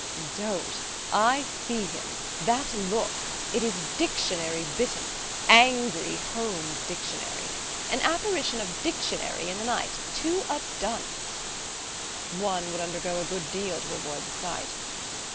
"Don't. I see him. That look! It is Dictionary bitten! Angry, homed Dictionary! an apparition of Dictionary in the night to a dunce!" "One would undergo a good deal to avoid the sight."